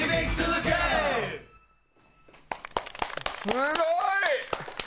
すごい！